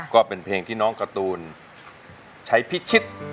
ก็เป็นเพลงที่น้องการ์ตูนใช้พิชิต